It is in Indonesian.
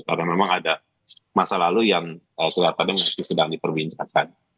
karena memang ada masa lalu yang kelihatannya masih sedang diperbincangkan